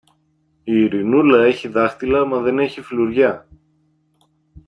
Η Ειρηνούλα έχει δάχτυλα, μα δεν έχει φλουριά!